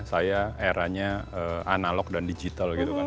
saya eranya analog dan digital gitu kan